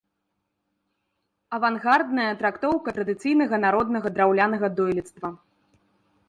Авангардная трактоўка традыцыйнага народнага драўлянага дойлідства.